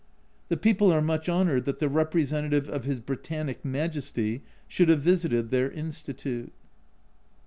The people are much honoured that the representative of his Britannic Majesty should have visited their Institute.